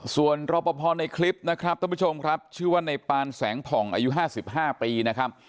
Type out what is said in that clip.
ส่วนรอปภในคลิปนะครับท่านผู้ชมครับชื่อว่าในปานแสงผ่องอายุ๕๕ปีนะครับ